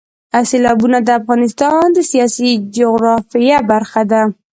سیلابونه د افغانستان د سیاسي جغرافیه برخه ده.